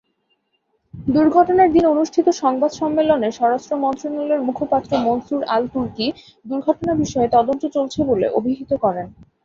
দুর্ঘটনার দিন অনুষ্ঠিত সংবাদ সম্মেলনে স্বরাষ্ট্র মন্ত্রণালয়ের মুখপাত্র মনসুর আল-তুর্কি দুর্ঘটনা বিষয়ে তদন্ত চলছে বলে অবিহিত করেন।